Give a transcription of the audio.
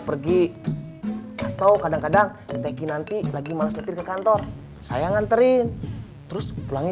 pergi atau kadang kadang thanky nanti lagi malas nyetir ke kantor saya nganterin terus pulangnya